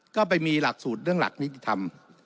ก็ไปมีหลักสูตรเรื่องหลักนิติธรรม